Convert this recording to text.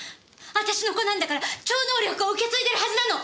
あたしの子なんだから超能力を受け継いでるはずなの！